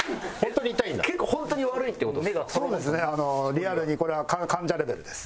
リアルにこれは患者レベルです。